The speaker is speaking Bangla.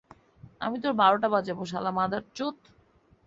আমি তোর বারোটা বাজাবো, শালার মাদারচোত।